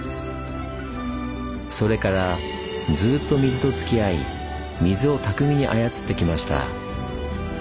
それからずっと水とつきあい水を巧みに操ってきました。